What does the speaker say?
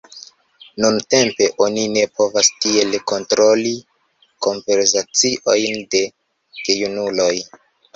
Nuntempe oni ne povas tiel kontroli konversaciojn de gejunuloj.